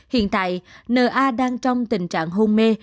hiện tại n a đang trong tình trạng hôn mê